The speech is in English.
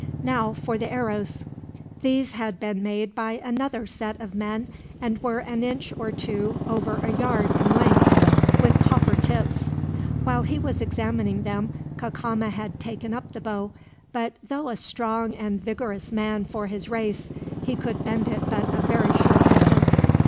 Now for the arrows." These had been made by another set of men, and were an inch or two over a yard in length, with copper tips. While he was examining them Cacama had taken up the bow, but though a strong and vigorous man for his race, he could bend it but a very short distance.